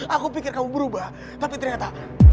aku pikir kamu berubah tapi ternyata